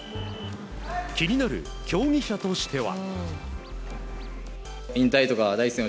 気になる競技者としては。